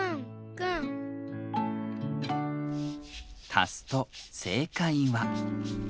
たすとせいかいは。